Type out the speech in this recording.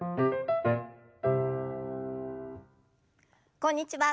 こんにちは